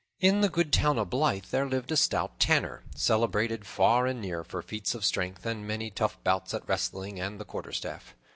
In the good town of Blyth there lived a stout tanner, celebrated far and near for feats of strength and many tough bouts at wrestling and the quarterstaff.